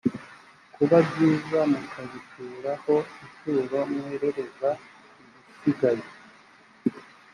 kuba byiza mukabitura ho ituro mwerereza ibisigaye